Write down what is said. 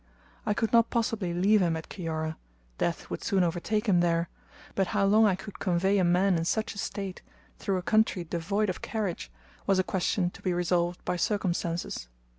I could not possibly leave him at Kiora, death would soon overtake him there; but how long I could convey a man in such a state, through a country devoid of carriage, was a question to be resolved by circumstances.